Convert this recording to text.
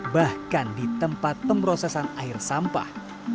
bahkan di tempat pemrosesan air sampah